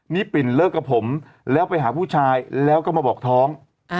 นี่ปิ่นเลิกกับผมแล้วไปหาผู้ชายแล้วก็มาบอกท้อง